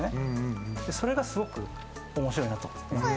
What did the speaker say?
それがすごく面白いなと。